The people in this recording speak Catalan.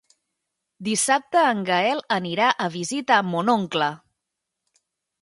Dissabte en Gaël anirà a visitar mon oncle.